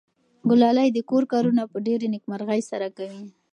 ګلالۍ د کور کارونه په ډېرې نېکمرغۍ سره کوي.